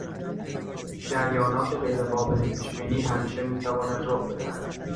جریانات غیرقابل پیشبینی همیشه میتواند رخ بدهد.